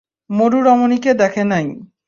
মরু রমণীকে দেখে নেই।